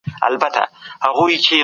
چې هغوی هم زموږ په ګټه کې شریک دي.